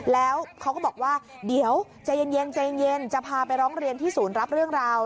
แล้วเขาก็บอกว่าเดี๋ยวใจเย็นใจเย็นจะพาไปร้องเรียนที่ศูนย์รับเรื่องราว